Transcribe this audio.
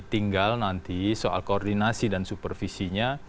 tinggal nanti soal koordinasi dan supervisinya